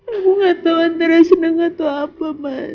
aku gak tau antara seneng atau apa